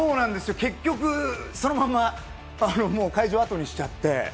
結局そのまま会場をあとにしちゃって。